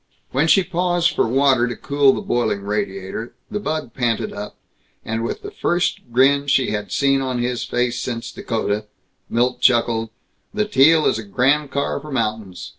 When she paused for water to cool the boiling radiator, the bug panted up, and with the first grin she had seen on his face since Dakota Milt chuckled, "The Teal is a grand car for mountains.